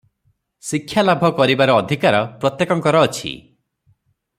ଶିକ୍ଷାଲାଭ କରିବାର ଅଧିକାର ପ୍ରତ୍ୟେକଙ୍କର ଅଛି ।